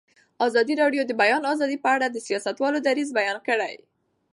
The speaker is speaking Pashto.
ازادي راډیو د د بیان آزادي په اړه د سیاستوالو دریځ بیان کړی.